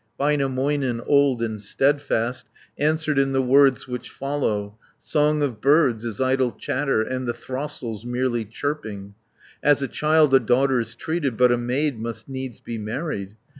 '" 80 Väinämöinen, old and steadfast, Answered in the words which follow: "Song of birds is idle chatter, And the throstle's, merely chirping; As a child a daughter's treated, But a maid must needs be married.